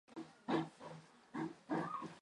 陈奇的作品以人物画和油画见长。